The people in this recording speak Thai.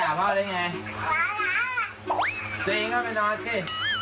ฮะมาด่าพ่อได้ไงตัวเองก็ไม่นอนโอเค